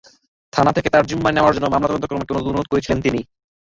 থানা থেকে তাঁর জিম্মায় নেওয়ার জন্য মামলার তদন্ত কর্মকর্তাকে অনুরোধও করেছিলেন তিনি।